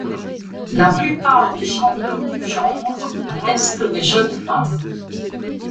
La plupart des chanteurs du genre restent des jeunes femmes.